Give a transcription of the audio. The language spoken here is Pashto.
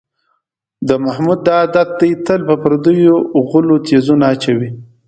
د محمود دا عادت دی، تل په پردیو غولو تیزونه اچوي.